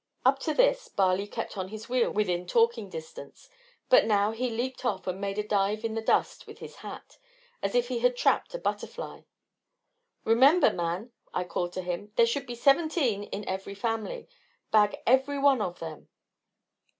Up to this, Barley kept on his wheel within talking distance, but now he leaped off and made a dive in the dust with his hat, as if he had trapped a butterfly. "Remember, man," I called to him, "there should be seventeen in every family; bag every one of them."